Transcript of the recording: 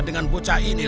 dengan bocah ini lho